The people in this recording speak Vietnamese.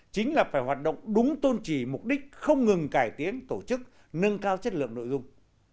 chính là phải hoạt động đúng tôn trì mục đích không ngừng cải tiến tổ chức nâng cao chất lượng nội dung